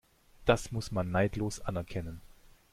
Das muss man neidlos anerkennen.